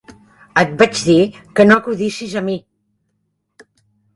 Et vaig dir que no acudissis a mi!